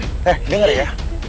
eh denger ya